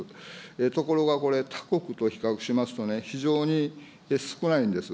ところがこれ、他国と比較しますとね、非常に少ないんです。